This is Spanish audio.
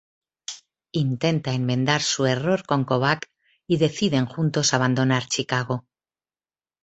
Intenta enmendar su error con Kovač, y deciden juntos abandonar Chicago.